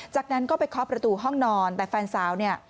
จากนั้นก็ไปเคาะประตูห้องนอนแต่แฟนสาวเนี่ย